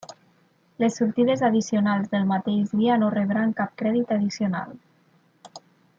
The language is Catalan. Les sortides addicionals del mateix dia no rebran cap crèdit addicional.